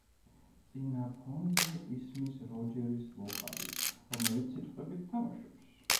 წინა ფონზე ისმის როჯერის ვოკალი, რომელიც სიტყვებით თამაშობს.